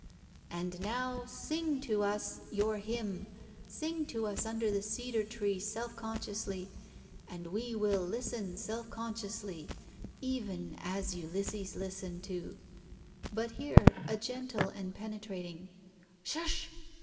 And now sing to us your hymn, sing to us under the cedar tree self consciously, and we will listen self consciously, even as Ulysses listened to " But here a gentle and penetrating "Hush!"